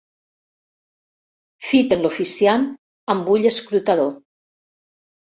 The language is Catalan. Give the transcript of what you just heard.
Fiten l'oficiant amb ull escrutador.